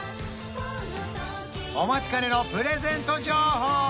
お待ちかねのプレゼント情報